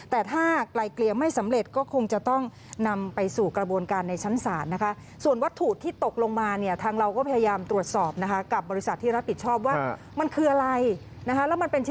แต่ถ้าไกลเกลียไม่สำเร็จ